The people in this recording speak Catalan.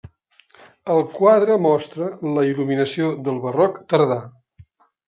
El quadre mostra la il·luminació del barroc tardà.